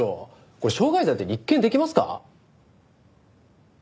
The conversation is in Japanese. これ傷害罪で立件できますか？